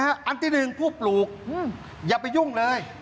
อันที่หนึ่งผู้ปลูกอย่าไปยุ่งเลย